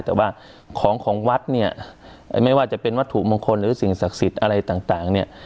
แต่ว่าของของวัดเนี่ยไม่ว่าจะเป็นวัตถุมงคลหรือสิ่งศักดิ์สิทธิ์อะไรต่างเนี่ย